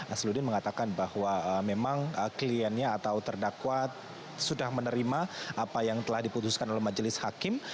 asluddin mengatakan bahwa memang kliennya atau terdakwa sudah menerima apa yang telah diputuskan oleh majelis hakim